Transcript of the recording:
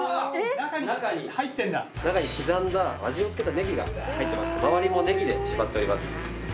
中に刻んだ味を付けたネギが入ってましてまわりもネギで縛っております。